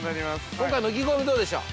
◆今回の意気込み、どうでしょう。